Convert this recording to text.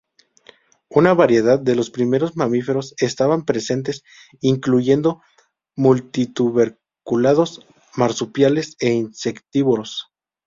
Una variedad de los primeros mamíferos estaban presentes, incluyendo multituberculados, marsupiales e insectívoros.